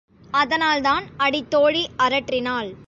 அதனால்தான் அடித்தோழி அரற்றினாள்.